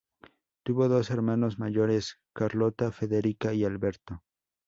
Tuvo dos hermanos mayores, Carlota Federica y Alberto.